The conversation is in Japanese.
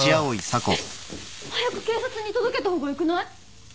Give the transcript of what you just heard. えっ早く警察に届けた方がよくない？